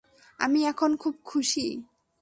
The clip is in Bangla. আমি এখন খুব খুশি।